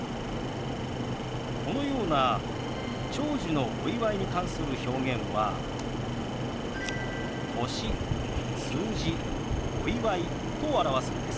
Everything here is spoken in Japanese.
このような長寿のお祝いに関する表現は「歳」「数字」「お祝い」と表すんです。